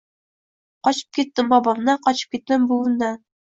Qochib ketdim bobomdan, qochib ketdim buvimdan